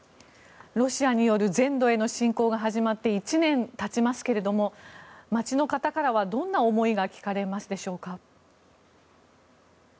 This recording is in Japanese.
ロシアによる全土への侵攻が始まって１年たちますが街の方からはどんな思いが聞かれますでしょうか。